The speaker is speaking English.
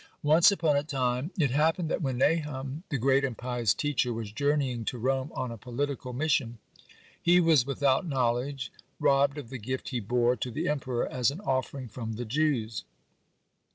Once upon a time it happened that when Nahum, the great and pious teacher, was journeying to Rome on a political mission, he was without knowledge robbed of the gift he bore to the Emperor as an offering from the Jews.